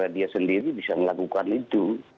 dia sendiri bisa melakukan itu